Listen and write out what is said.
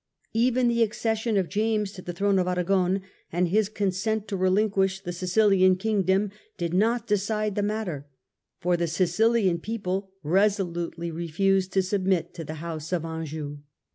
Even the accession of James to the throne of Aragon and his consent to re linquish the Sicilian Kingdom did not decide the matter, for the Sicihan j)eople resolutely refused to submit to the House of Anjou.